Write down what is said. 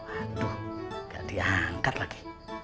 aduh gak diangkat lagi